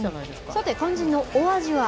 さて、肝心のお味は。